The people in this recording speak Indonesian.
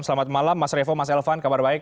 selamat malam mas revo mas elvan kabar baik